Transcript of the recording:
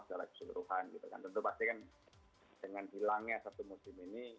secara keseluruhan gitu kan tentu pasti kan dengan hilangnya satu musim ini